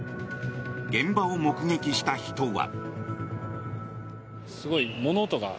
現場を目撃した人は。